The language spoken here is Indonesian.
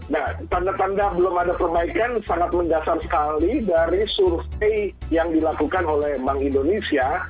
nah tanda tanda belum ada perbaikan sangat mendasar sekali dari survei yang dilakukan oleh bank indonesia